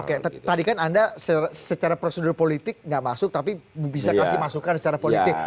oke tadi kan anda secara prosedur politik nggak masuk tapi bisa kasih masukan secara politik